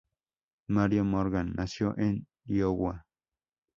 Marlo Morgan nació en Iowa.